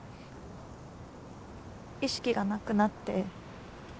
意識がなくなって。